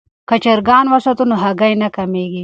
که چرګان وساتو نو هګۍ نه کمیږي.